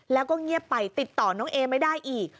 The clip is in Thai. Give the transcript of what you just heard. แล้วก็เงียบไปติดต่อน้องเอไม่ได้อีก